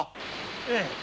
ええ。